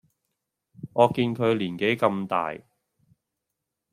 我見佢年紀咁大